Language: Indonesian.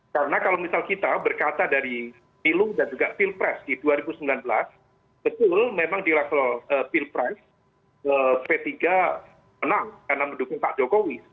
karena kalau misal kita berkata dari pilu dan juga pilpres di dua ribu sembilan belas betul memang di level pilpres p tiga menang karena mendukung pak jokowi